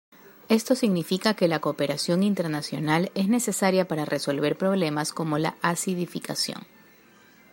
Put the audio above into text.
Esto significa que la cooperación internacional es necesaria para resolver problemas como la acidificación.